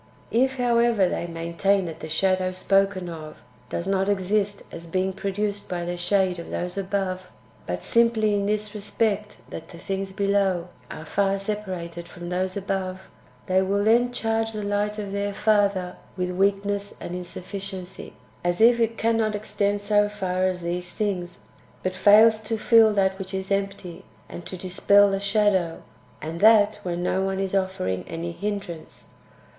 2. If, however, they maintain that the shadow spoken of does not exist as being produced by the shade of [those above], but simply in this respect, that [the things below] are far separated from those [above], they will then charge the light of their Father with weakness and insufficiency, as if it cannot extend so far as these things, but fails to fill that which is empty, and to dispel the shadow, and that when no one is offering any hindrance.